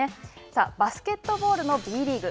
さあ、バスケットボールのＢリーグ。